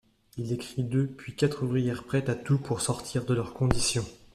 Il décrit deux puis quatre ouvrières prêtes à tout pour sortir de leur condition.